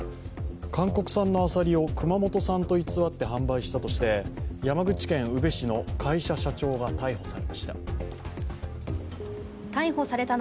韓国産のあさりを熊本産と偽って販売したとして山口県宇部市の会社社長が逮捕されました。